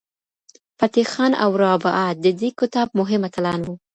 فتح خان او رابعه د دې کتاب مهم اتلان وو.